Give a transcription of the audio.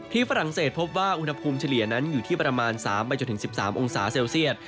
ฝรั่งเศสพบว่าอุณหภูมิเฉลี่ยนั้นอยู่ที่ประมาณ๓ไปจนถึง๑๓องศาเซลเซียต